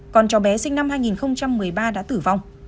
còn cháu bé sinh năm hai nghìn một mươi ba đã tử vong